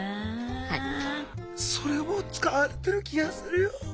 それも使われてる気がするよ。